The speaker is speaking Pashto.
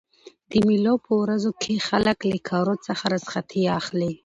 د مېلو په ورځو کښي خلک له کارو څخه رخصتي اخلي.